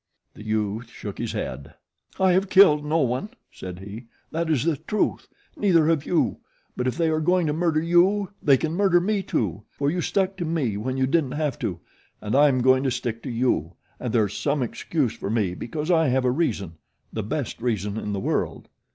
The youth shook his head. "I have killed no one," said he. "That is the truth. Neither have you; but if they are going to murder you they can murder me too, for you stuck to me when you didn't have to; and I am going to stick to you, and there is some excuse for me because I have a reason the best reason in the world."